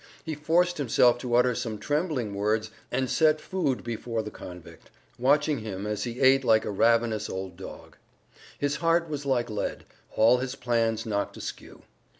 He forced himself to utter some trembling words and set food before the convict, watching him as he ate like a ravenous old dog. His heart was like lead, all his plans knocked askew.